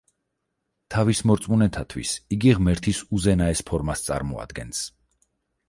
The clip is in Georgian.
თავის მორწმუნეთათვის იგი ღმერთის უზენაეს ფორმას წარმოადგენს.